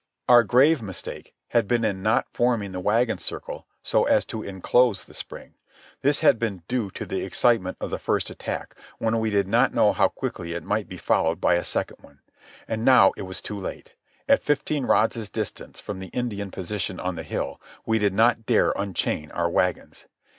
Our grave mistake had been in not forming the wagon circle so as to inclose the spring. This had been due to the excitement of the first attack, when we did not know how quickly it might be followed by a second one. And now it was too late. At fifteen rods' distance from the Indian position on the hill we did not dare unchain our wagons.